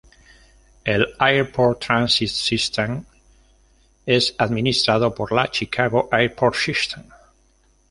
El Airport Transit System es administrado por la Chicago Airport System.